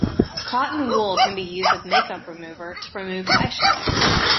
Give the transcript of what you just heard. Cotton wool can be used with make-up remover to remove eyeshadow